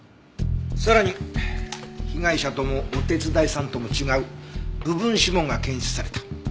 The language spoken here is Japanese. さらに被害者ともお手伝いさんとも違う部分指紋が検出された。